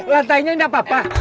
lantainya gak apa apa